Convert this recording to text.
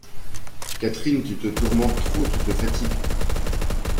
Catherine, tu te tourmentes trop, tu te fatigues !